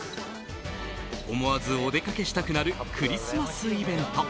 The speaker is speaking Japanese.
思わずお出かけしたくなるクリスマスイベント。